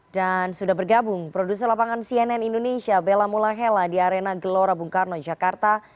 dan sudah bergabung produser lapangan cnn indonesia bella mulahela di arena gelora bung karno jakarta